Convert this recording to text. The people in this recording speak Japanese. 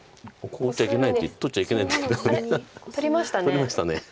取りました。